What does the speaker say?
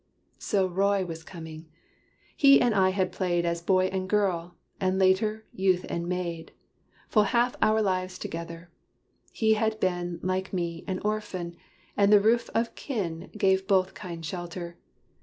So Roy was coming! He and I had played As boy and girl, and later, youth and maid, Full half our lives together. He had been, Like me, an orphan; and the roof of kin Gave both kind shelter.